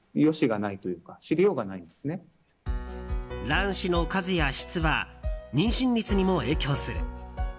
卵子の数や質は妊娠率にも影響する。